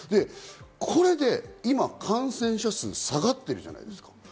これで今、感染者数、下がってるじゃないですか。